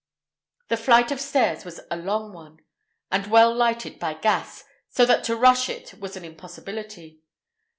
The flight of stairs was a long one, and well lighted by gas, so that to rush it was an impossibility.